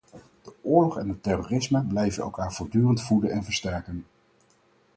De oorlog en het terrorisme blijven elkaar voortdurend voeden en versterken.